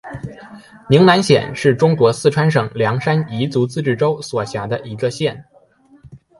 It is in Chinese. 宁南县是中国四川省凉山彝族自治州所辖的一个县。